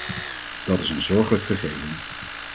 Dat is een zorgelijk gegeven.